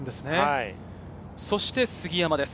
そして杉山です。